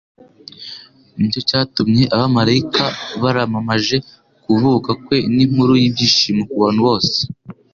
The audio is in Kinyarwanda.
Nicyo cyatumye abamarayika baramamaje kuvuka kwe nk'inkuru y'ibyishimo ku bantu bose